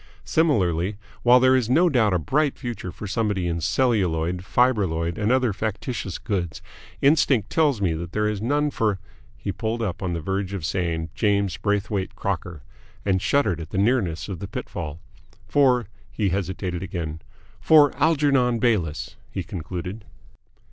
Similarly, while there is no doubt a bright future for somebody in Celluloid, Fiberloid, and Other Factitious Goods, instinct tells me that there is none for " he pulled up on the verge of saying, "James Braithwaite Crocker," and shuddered at the nearness of the pitfall. " for " he hesitated again "for Algernon Bayliss," he concluded.